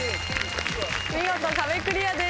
見事壁クリアです。